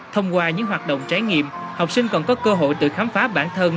thông qua những hoạt động trải nghiệm học sinh còn có cơ hội tự khám phá bản thân